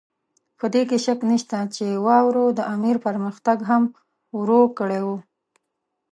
په دې کې شک نشته چې واورو د امیر پرمختګ هم ورو کړی وو.